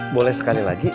boleh sekali lagi